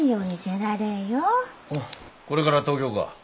これから東京か。